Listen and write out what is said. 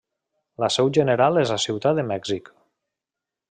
La seu general és a Ciutat de Mèxic.